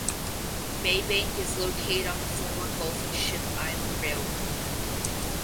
Maybank is located on the former Gulf and Ship Island Railroad.